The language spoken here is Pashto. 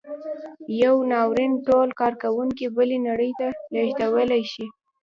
یو ناورین ټول کارکوونکي بلې نړۍ ته لېږدولی شي.